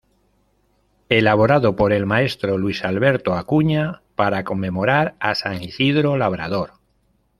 Elaborado por el Maestro Luis Alberto Acuña para conmemorar a San Isidro Labrador.